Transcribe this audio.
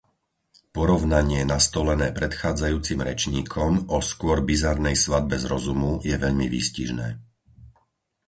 Porovnanie nastolené predchádzajúcim rečníkom o skôr bizarnej svadbe z rozumu je veľmi výstižné.